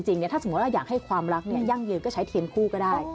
ถ้าสมมุติว่าอยากให้ความรักยั่งยืนก็ใช้เทียนคู่ก็ได้